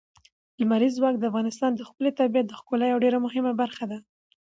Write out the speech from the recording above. لمریز ځواک د افغانستان د ښکلي طبیعت د ښکلا یوه ډېره مهمه برخه ده.